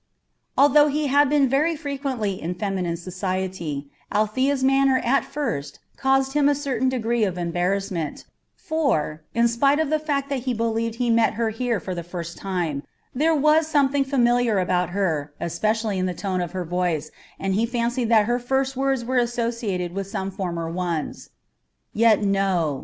Although he had been very frequently in feminine society, Althea's manner at first caused him a certain degree of embarrassment; for, in spite of the fact that he believed he met her here for the first time, there was something familiar about her, especially in the tone of her voice, and he fancied that her first words were associated with some former ones. Yet no!